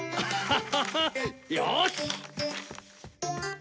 ハハハよーし！